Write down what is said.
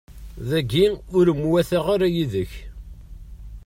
Dagi ur mwataɣ ara yid-k.